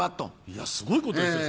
いやすごいことですよ